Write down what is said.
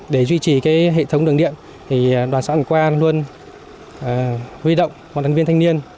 để duy trì hệ thống đường điện đoàn sản qua luôn huy động một đàn viên thanh niên